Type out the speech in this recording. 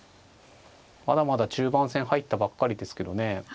まだまだ中盤戦入ったばっかりですけどね